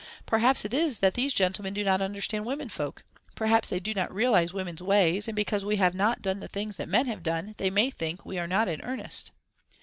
Perhaps it is that these gentlemen do not understand womenfolk. Perhaps they do not realise women's ways, and because we have not done the things that men have done, they may think we are not in earnest.'